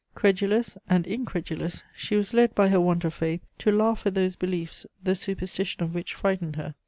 Credulous and incredulous, she was led by her want of faith to laugh at those beliefs the superstition of which frightened her.